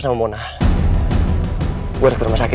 kugou kagak ada lagi